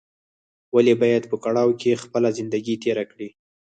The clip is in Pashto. ولې باید په کړاوو کې خپله زندګي تېره کړې